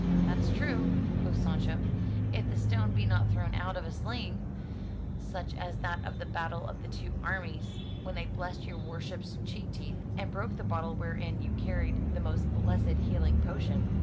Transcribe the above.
"That's true," quoth Sancho, "if the stone be not thrown out of a sling, such as that of the battle of the two armies, when they blessed your worship's cheek teeth, and broke the bottle wherein you carried the most blessed healing potion."